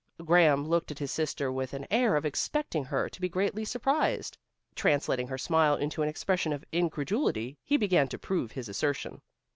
Graham looked at his sister with an air of expecting her to be greatly surprised. Translating her smile into an expression of incredulity, he began to prove his assertion.